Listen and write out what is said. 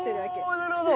おなるほど。